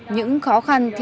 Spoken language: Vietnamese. những khó khăn thiệt thòi